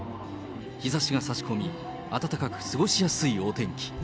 日ざしが差し込み、温かく過ごしやすいお天気。